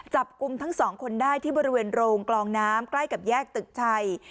จับกลุ่มทั้งสองคนได้ที่บริเวณโรงกลองน้ำใกล้กับแยกตึกชัย